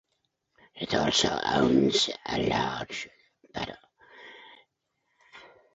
It also owned a large portion of Atlantic Ocean and inland Canada.